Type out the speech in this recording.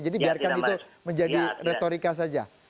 jadi biarkan itu menjadi retorika saja